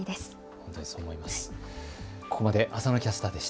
本当にそう思います。